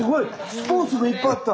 スポーツのいっぱいあった。